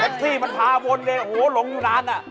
แม็กซี่มันทาวนเลยหัวหลงอยู่นานน่ะ